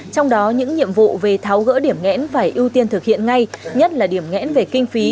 trong đó những nhiệm vụ về tháo gỡ điểm nghẽn phải ưu tiên thực hiện ngay nhất là điểm nghẽn về kinh phí